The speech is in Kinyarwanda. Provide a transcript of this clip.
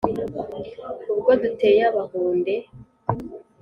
ubwo duteye abahunde